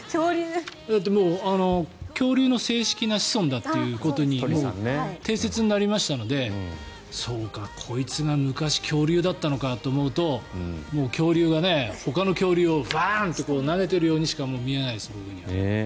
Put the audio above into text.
もう恐竜の正式な子孫だということに定説になりましたのでそうか、こいつが昔、恐竜だったのかって思うともう、恐竜がほかの恐竜をブワーンと投げているようにしか僕には見えないです。